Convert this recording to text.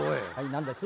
「何です？」